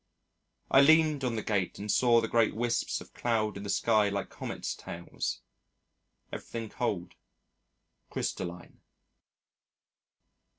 I leaned on the gate and saw the great whisps of cloud in the sky like comets' tails. Everything cold, crystalline.